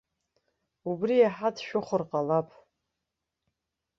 Убри иаҳа дшәыхәар ҟалап.